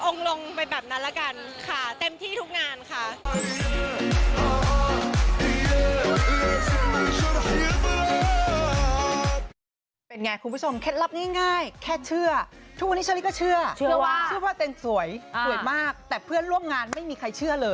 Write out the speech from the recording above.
องค์ลงไปแบบนั้นละกันค่ะเต็มที่ทุกงานค่ะ